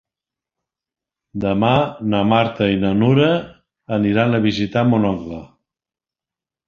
Demà na Marta i na Nura aniran a visitar mon oncle.